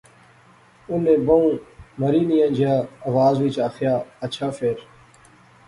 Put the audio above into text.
انیں بہوں مری نیاں جیا آواز وچ آخیا۔۔۔ اچھا فیر